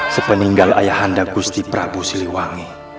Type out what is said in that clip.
se peninggal ayahanda gusti prabu siliwangi